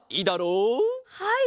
はい！